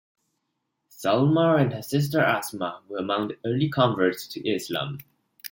Salma and her sister Asma were among the early converts to Islam.